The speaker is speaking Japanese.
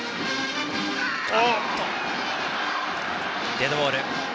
デッドボール。